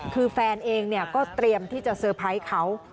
คือแฟนเองก็เตรียมที่จะเตอร์ไพรส์เขา